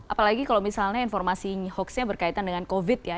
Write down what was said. apalagi kalau misalnya informasi hoaxnya berkaitan dengan covid ya